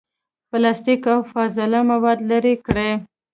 پلاستیک، او فاضله مواد لرې کړي.